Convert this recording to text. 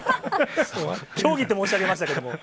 競技と申し上げましたけども？